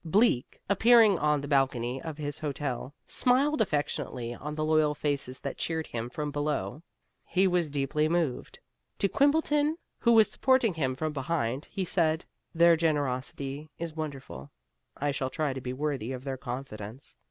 Bleak, appearing on the balcony of his hotel, smiled affectionately on the loyal faces that cheered him from below. He was deeply moved. To Quimbleton (who was supporting him from behind) he said: "Their generosity is wonderful. I shall try to be worthy of their confidence.